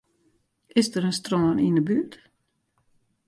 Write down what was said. Is der in strân yn 'e buert?